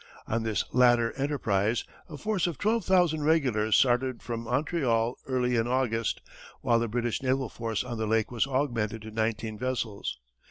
On this latter enterprise, a force of twelve thousand regulars started from Montreal early in August, while the British naval force on the lake was augmented to nineteen vessels.